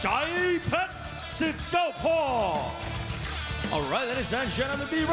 ชายแพทซิฟเจ้าพอร์